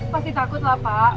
pasti takutlah pak